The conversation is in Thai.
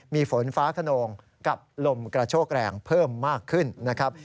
มีฝนฟ้าขนองกับลมกระโชกแรงเพิ่มมากขึ้นนะครับ